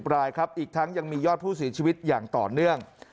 รายครับอีกทั้งยังมียอดผู้เสียชีวิตอย่างต่อเนื่อง